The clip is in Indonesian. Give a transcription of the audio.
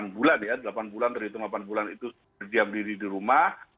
delapan bulan ya delapan bulan terhitung delapan bulan itu berdiam diri di rumah